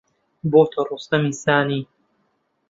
بۆتە ڕۆستەمی سانی